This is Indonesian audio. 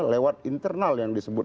lewat internal yang disebut